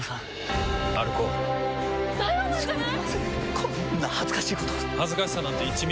こんな恥ずかしいこと恥ずかしさなんて１ミリもない。